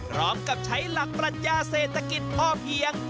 พร้อมกับใช้หลักปรัชญาเศรษฐกิจพอเพียง